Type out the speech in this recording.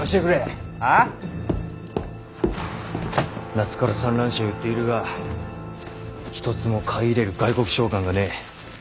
夏から蚕卵紙を売っているが一つも買い入れる外国商館がねぇ。